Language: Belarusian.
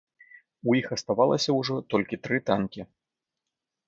У іх аставалася ўжо толькі тры танкі.